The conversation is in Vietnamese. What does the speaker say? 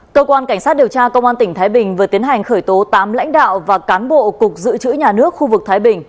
cơ quan cảnh sát điều tra công an tỉnh thái bình vừa tiến hành khởi tố tám lãnh đạo và cán bộ cục dự trữ nhà nước khu vực thái bình